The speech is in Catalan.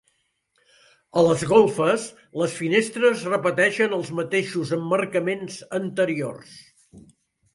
A les golfes, les finestres repeteixen els mateixos emmarcaments anteriors.